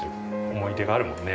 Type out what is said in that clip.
思い出があるもんね。